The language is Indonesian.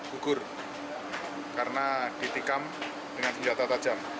gugur karena ditikam dengan senjata tajam